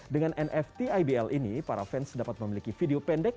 dengan nft ibl ini para fans dapat memiliki video pendek